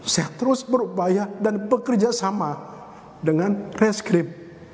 saya terus berupaya dan bekerja sama dengan reskrip